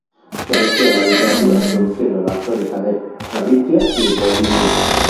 Floreció la literatura, produciendo la "Crónica de Galitzia y Volinia".